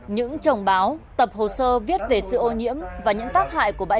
những hình ảnh này cho thấy đây